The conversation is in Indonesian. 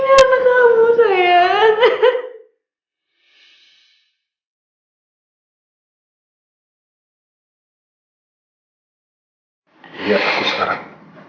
memang kau berharap being heure stress